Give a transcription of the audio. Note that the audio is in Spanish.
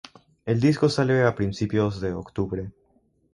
El disco sale a principios de octubre.